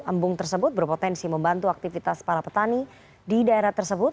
embung tersebut berpotensi membantu aktivitas para petani di daerah tersebut